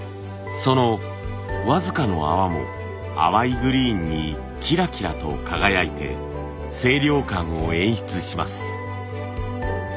その僅かの泡も淡いグリーンにキラキラと輝いて清涼感を演出します。